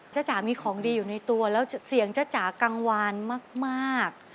จ๋ามีของดีอยู่ในตัวแล้วเสียงจ้าจ๋ากังวานมาก